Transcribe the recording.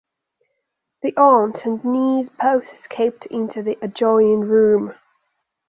The aunt and niece both escaped into the adjoining room.